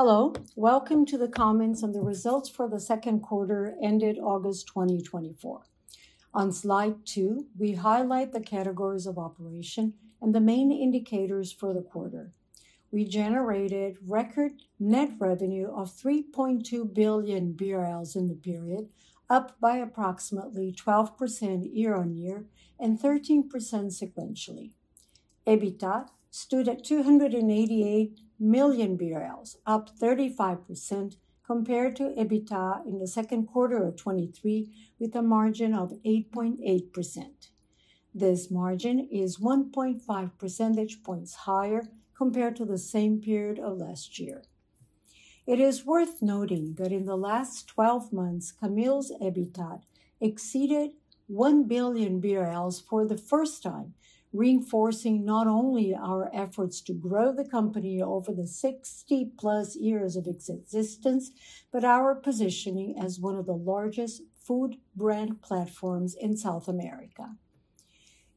Hello, welcome to the comments on the results for the second quarter ended August 2024. On slide two, we highlight the categories of operation and the main indicators for the quarter. We generated record net revenue of 3.2 billion BRL in the period, up by approximately 12% year-on-year and 13% sequentially. EBITDA stood at 288 million BRL, up 35% compared to EBITDA in the second quarter of 2023, with a margin of 8.8%. This margin is 1.5 percentage points higher compared to the same period of last year. It is worth noting that in the last 12 months, Camil's EBITDA exceeded 1 billion BRL for the first time, reinforcing not only our efforts to grow the company over the 60-plus years of existence, but our positioning as one of the largest food brand platforms in South America.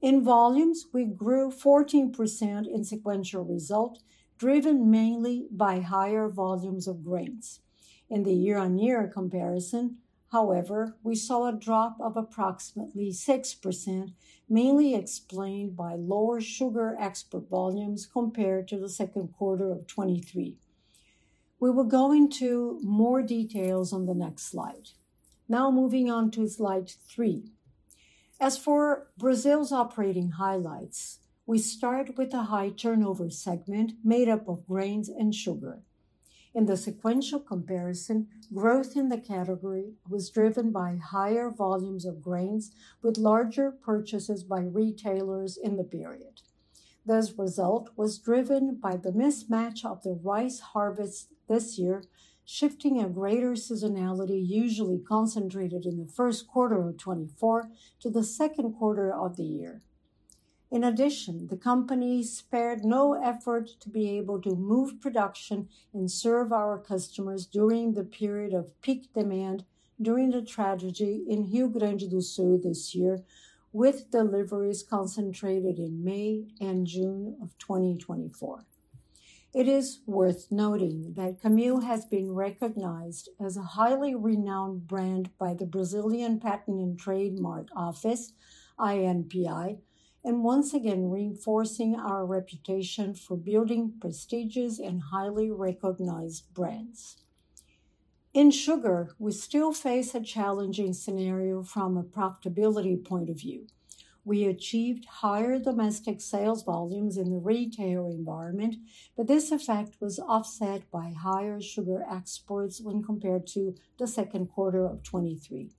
In volumes, we grew 14% in sequential result, driven mainly by higher volumes of grains. In the year-on-year comparison, however, we saw a drop of approximately 6%, mainly explained by lower sugar export volumes compared to the second quarter of 2023. We will go into more details on the next slide. Now moving on to slide three. As for Brazil's operating highlights, we start with the high turnover segment made up of grains and sugar. In the sequential comparison, growth in the category was driven by higher volumes of grains, with larger purchases by retailers in the period. This result was driven by the mismatch of the rice harvests this year, shifting a greater seasonality, usually concentrated in the first quarter of 2024, to the second quarter of the year. In addition, the company spared no effort to be able to move production and serve our customers during the period of peak demand during the tragedy in Rio Grande do Sul this year, with deliveries concentrated in May and June of 2024. It is worth noting that Camil has been recognized as a highly renowned brand by the Brazilian Patent and Trademark Office, INPI, and once again reinforcing our reputation for building prestigious and highly recognized brands. In sugar, we still face a challenging scenario from a profitability point of view. We achieved higher domestic sales volumes in the retail environment, but this effect was offset by higher sugar exports when compared to the second quarter of 2023.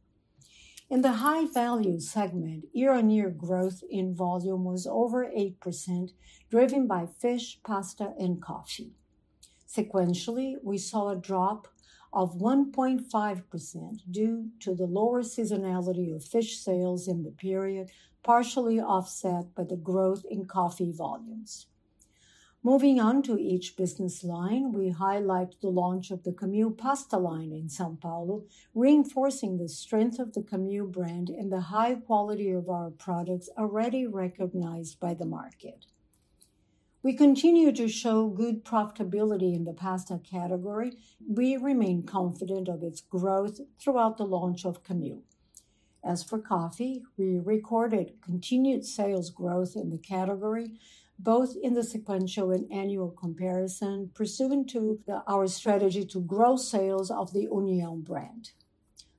In the high value segment, year-on-year growth in volume was over 8%, driven by fish, pasta, and coffee. Sequentially, we saw a drop of 1.5% due to the lower seasonality of fish sales in the period, partially offset by the growth in coffee volumes. Moving on to each business line, we highlight the launch of the Camil pasta line in São Paulo, reinforcing the strength of the Camil brand and the high quality of our products already recognized by the market. We continue to show good profitability in the pasta category. We remain confident of its growth throughout the launch of Camil. As for coffee, we recorded continued sales growth in the category, both in the sequential and annual comparison, pursuant to our strategy to grow sales of the União brand.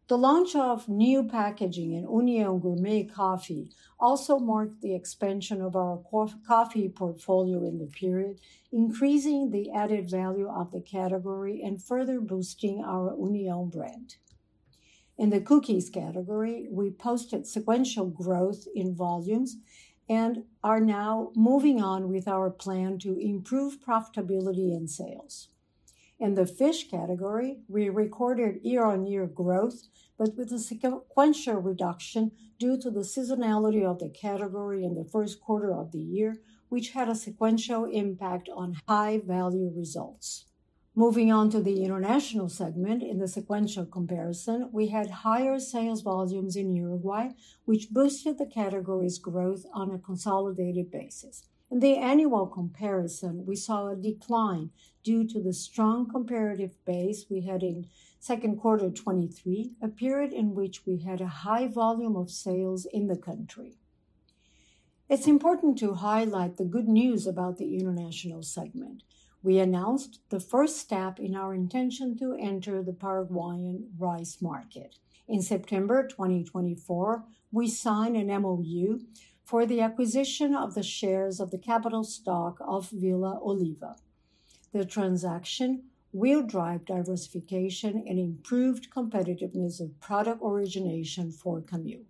The launch of new packaging in União Gourmet Coffee also marked the expansion of our coffee portfolio in the period, increasing the added value of the category and further boosting our União brand. In the cookies category, we posted sequential growth in volumes and are now moving on with our plan to improve profitability and sales. In the fish category, we recorded year-on-year growth, but with a sequential reduction due to the seasonality of the category in the first quarter of the year, which had a sequential impact on high value results. Moving on to the international segment, in the sequential comparison, we had higher sales volumes in Uruguay, which boosted the category's growth on a consolidated basis. In the annual comparison, we saw a decline due to the strong comparative base we had in second quarter 2023, a period in which we had a high volume of sales in the country. It's important to highlight the good news about the international segment. We announced the first step in our intention to enter the Paraguayan rice market. In September 2024, we signed an MOU for the acquisition of the shares of the capital stock of Villa Oliva. The transaction will drive diversification and improved competitiveness of product origination for Camil.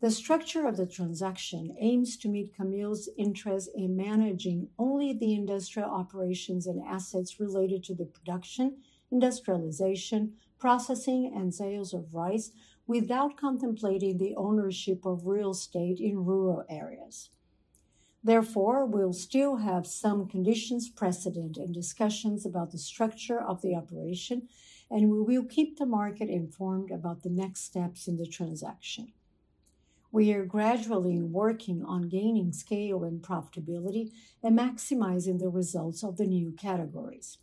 The structure of the transaction aims to meet Camil's interest in managing only the industrial operations and assets related to the production, industrialization, processing, and sales of rice, without contemplating the ownership of real estate in rural areas. Therefore, we'll still have some conditions precedent and discussions about the structure of the operation, and we will keep the market informed about the next steps in the transaction. We are gradually working on gaining scale and profitability and maximizing the results of the new categories.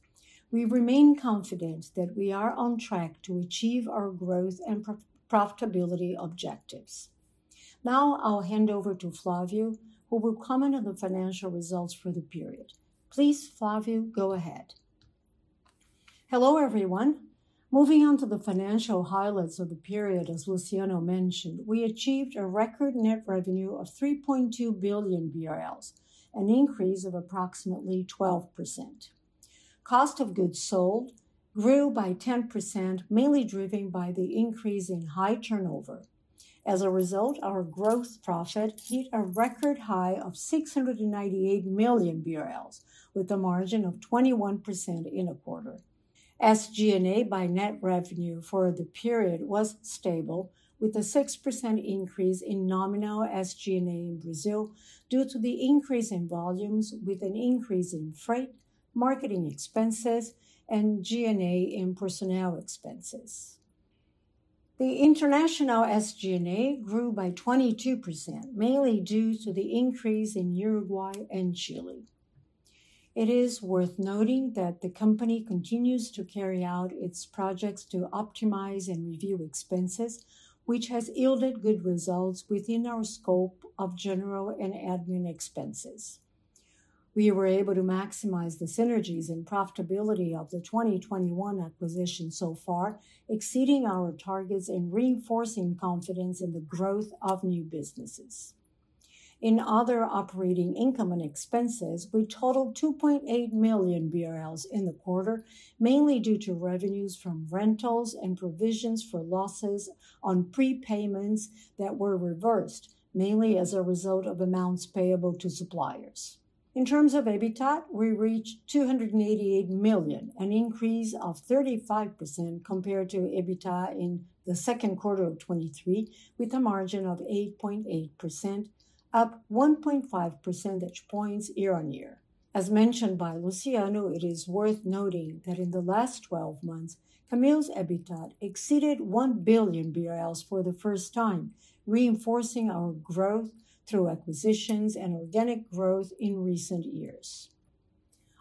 We remain confident that we are on track to achieve our growth and profitability objectives. Now I'll hand over to Flávio, who will comment on the financial results for the period. Please, Flávio, go ahead. Hello everyone. Moving on to the financial highlights of the period, as Luciano mentioned, we achieved a record net revenue of 3.2 billion BRL, an increase of approximately 12%. Cost of goods sold grew by 10%, mainly driven by the increase in high turnover. As a result, our gross profit hit a record high of 698 million BRL, with a margin of 21% in a quarter. SG&A by net revenue for the period was stable, with a 6% increase in nominal SG&A in Brazil due to the increase in volumes, with an increase in freight, marketing expenses, and G&A in personnel expenses. The international SG&A grew by 22%, mainly due to the increase in Uruguay and Chile. It is worth noting that the company continues to carry out its projects to optimize and review expenses, which has yielded good results within our scope of general and admin expenses. We were able to maximize the synergies and profitability of the 2021 acquisition so far, exceeding our targets and reinforcing confidence in the growth of new businesses. In other operating income and expenses, we totaled 2.8 million BRL in the quarter, mainly due to revenues from rentals and provisions for losses on prepayments that were reversed, mainly as a result of amounts payable to suppliers. In terms of EBITDA, we reached 288 million, an increase of 35% compared to EBITDA in the second quarter of 2023, with a margin of 8.8%, up 1.5 percentage points year-on-year. As mentioned by Luciano, it is worth noting that in the last 12 months, Camil's EBITDA exceeded 1 billion BRL for the first time, reinforcing our growth through acquisitions and organic growth in recent years.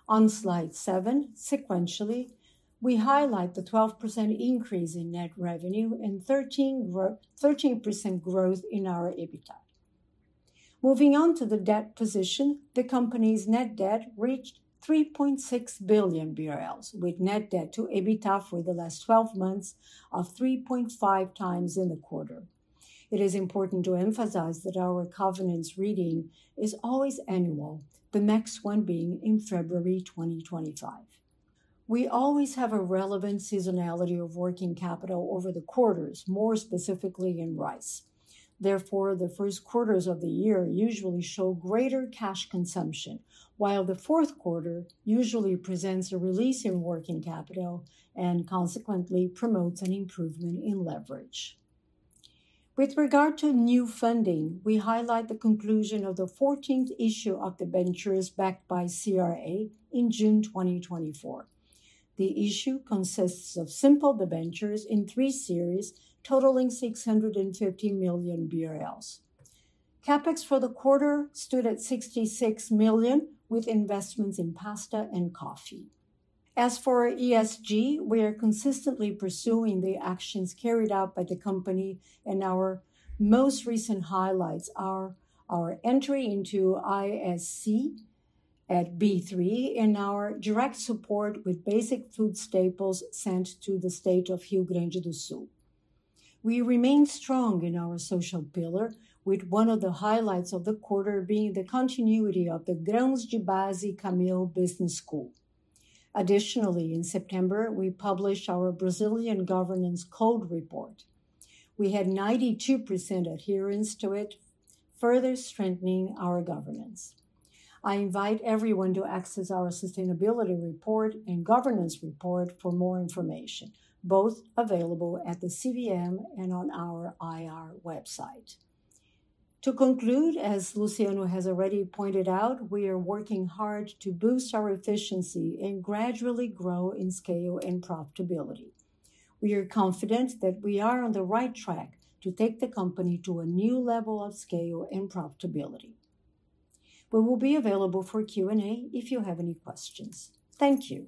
On slide seven, sequentially, we highlight the 12% increase in net revenue and 13% growth in our EBITDA. Moving on to the debt position, the company's net debt reached 3.6 billion BRL, with net debt to EBITDA for the last 12 months of 3.5 times in the quarter. It is important to emphasize that our covenants reading is always annual, the next one being in February 2025. We always have a relevant seasonality of working capital over the quarters, more specifically in rice. Therefore, the first quarters of the year usually show greater cash consumption, while the fourth quarter usually presents a release in working capital and consequently promotes an improvement in leverage. With regard to new funding, we highlight the conclusion of the 14th issue of the debentures backed by CRA in June 2024. The issue consists of simple debentures in three series totaling 650 million BRL. CapEx for the quarter stood at 66 million, with investments in pasta and coffee. As for ESG, we are consistently pursuing the actions carried out by the company, and our most recent highlights are our entry into ISE at B3 and our direct support with basic food staples sent to the state of Rio Grande do Sul. We remain strong in our social pillar, with one of the highlights of the quarter being the continuity of the Grãos de Base Camil Business School. Additionally, in September, we published our Brazilian Governance Code report. We had 92% adherence to it, further strengthening our governance. I invite everyone to access our sustainability report and governance report for more information, both available at the CVM and on our IR website. To conclude, as Luciano has already pointed out, we are working hard to boost our efficiency and gradually grow in scale and profitability. We are confident that we are on the right track to take the company to a new level of scale and profitability. We will be available for Q&A if you have any questions. Thank you.